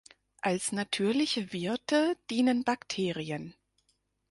Als natürliche Wirte dienen Bakterien.